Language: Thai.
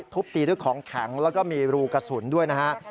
ทุบตีด้วยของแข็งแล้วก็มีรูกระสุนด้วยนะฮะ